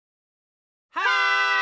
はい！